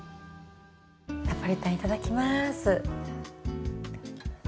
ナポリタンいただきます。